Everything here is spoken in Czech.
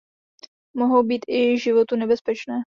Mohou být i životu nebezpečné.